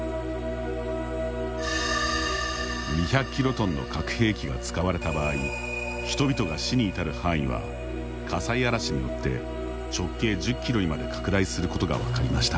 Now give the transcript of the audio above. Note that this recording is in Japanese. ２００キロトンの核兵器が使われた場合人々が死に至る範囲は火災嵐によって直径１０キロにまで拡大することが分かりました。